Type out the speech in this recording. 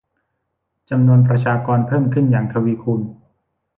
จำนวนประชากรเพิ่มขึ้นอย่างทวีคูณ